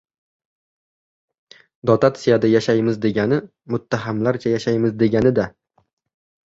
— Dotatsiyada yashaymiz degani, muttahamlarcha yashaymiz, degani-da?